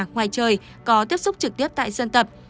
ngoài trời có tiếp xúc trực tiếp tại dân tập